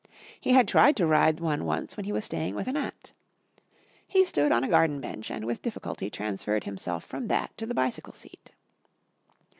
He had tried to ride one once when he was staying with an aunt. He stood on a garden bench and with difficulty transferred himself from that to the bicycle seat.